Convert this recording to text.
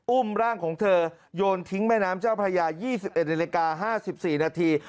อุ้มร่างของเธอโยนทิ้งแม่น้ำเจ้าพระยา๒๑นาฬิกา๕๔นาที